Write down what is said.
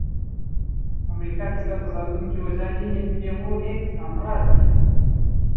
امریکہ کے ساتھ تصادم کی وجہ یہ ہے کہ وہ ایک سامراج ہے۔